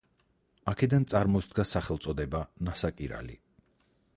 აქედან წარმოსდგა სახელწოდება ნასაკირალი.